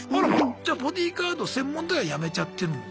じゃボディーガード専門では辞めちゃってるんだ。